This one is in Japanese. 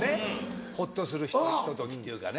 ほっとするひとときっていうかね。